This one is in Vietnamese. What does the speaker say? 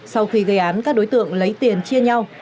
sau khi gây án các đối tượng lấy tiền chia nhau